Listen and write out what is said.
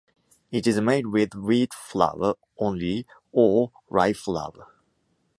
It is made with wheat flour only or rye flour.